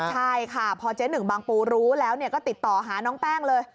ใช่ค่ะพอเจ๊หนึ่งบางปูรู้แล้วก็ติดต่อหาน้องแป้งเลย